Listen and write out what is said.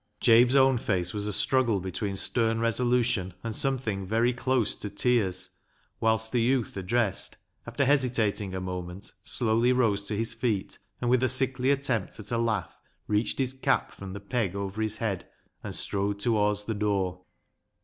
Jabe's own face was a struggle between stern resolution and something very close to tears, whilst the youth addressed, after hesitating a moment, slowly rose to his feet, and, with a sickly attempt at a laugh, reached his cap from the peg over his head and strode towards the door.